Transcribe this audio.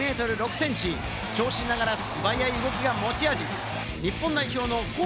身長２ｍ６ｃｍ、長身ながら素早い動きが持ち味。